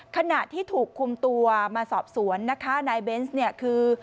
ขณะที่ถูกคุมตัวมาสอบสวนนะคะนายเบนส์เนี่ยคือ